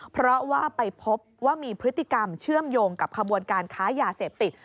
เพราะว่าไปพบว่ามีพฤติกรรมเชื่อมโยงกับขบวนการค้ายาเสพติด